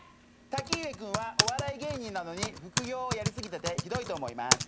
たきうえ君はお笑い芸人なのに副業をやり過ぎててひどいと思います。